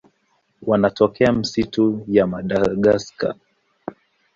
Wanatokea misitu ya Madagaska.